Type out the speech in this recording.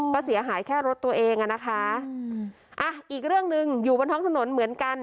ก็เสียหายแค่รถตัวเองอ่ะนะคะอืมอ่ะอีกเรื่องหนึ่งอยู่บนท้องถนนเหมือนกัน